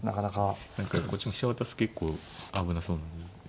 何かこっちも飛車渡すと結構危なそうなんで。